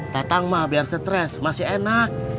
tatang mah biar stres masih enak